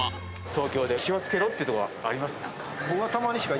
東京で気をつけろっていうことはありますか？